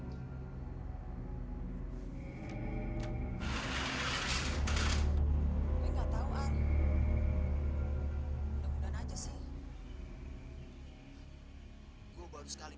tante gue juga bisa berkomunikasi dengan alam lain